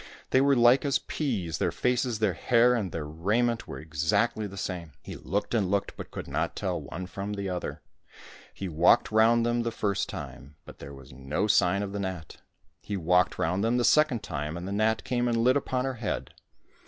They were as Uke as peas, their faces, their hair, and their raiment were exactly the same. He looked and looked, but could not tell one from the other. He walked round them the first time, but there was no sign of the gnat. He walked round them the second time, and the gnat came and lit upon her head.